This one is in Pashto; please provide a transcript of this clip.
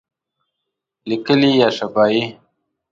لیکلي یا شفاهی؟